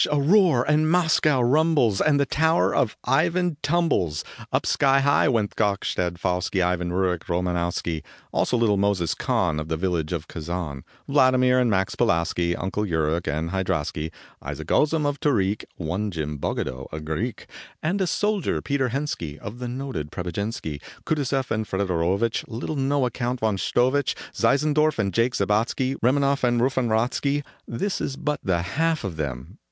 A roar ! and Moscow rumbles, And the tower of Ivan tumbles. Up skyhigh went Godstad Pfouski Ivan Ruric Romanowski, Also little Moses Khan Of the village of Kazan ; Vadlimir and Max Pulaski, Peter Ulric, and Hydraski ; Isaac Ozam of Torique, One Jim Bogado, a Greek, And a soldier, Peter Henski, Of the noted Prebojenski ; Kutuseff and Fedorovitch, Little No Account von Stovitch Seizendorf and Jake Zebatzski, Remanoff and Ruffonratzski, This is but the half of them.